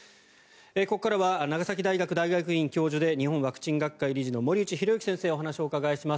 ここからは長崎大学大学院教授で日本ワクチン学会理事の森内浩幸先生にお話を伺います。